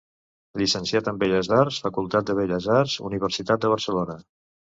Llicenciat en Belles Arts, Facultat de Belles Arts, Universitat de Barcelona.